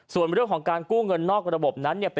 ส่วนเรื่องของการกู้เงินนอกระบบนั้นเนี่ย